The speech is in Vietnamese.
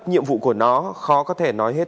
nhiệm vụ của nó khó có thể nói hết